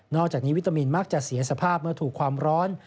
อกจากนี้วิตามินมักจะเสียสภาพเมื่อถูกความร้อน